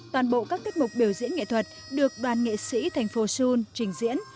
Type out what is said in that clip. toàn bộ các tiết mục biểu diễn nghệ thuật được đoàn nghệ sĩ thành phố seoul trình diễn